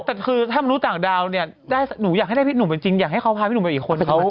แต่คือถ้ารู้ต่างดาวเนี่ยหนูอยากให้ได้พี่หนุ่มเป็นจริงอยากให้เขาพาพี่หนุ่มไปอีกคนเขา